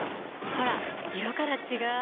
ほら色から違う！